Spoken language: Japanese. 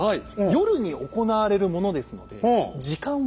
夜に行われるものですので時間を進めますね。